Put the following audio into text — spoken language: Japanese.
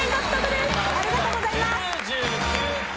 ありがとうございます！